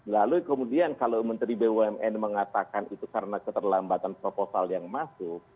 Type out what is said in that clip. lalu kemudian kalau menteri bumn mengatakan itu karena keterlambatan proposal yang masuk